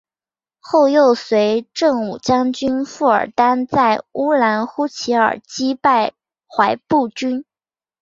后又随振武将军傅尔丹在乌兰呼济尔击败准部军。